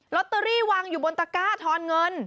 ตเตอรี่วางอยู่บนตะก้าทอนเงิน